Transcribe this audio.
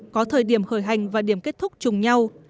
có thời điểm khởi hành và điểm kết thúc chung nhau